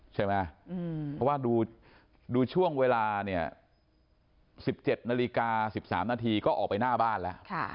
เพราะว่าดูช่วงเวลา๑๗นาฬิกา๑๓นาทีก็ออกไปหน้าบ้านแล้ว